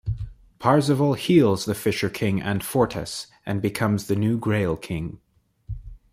Parzival heals the Fisher King Anfortas and becomes the new Grail King.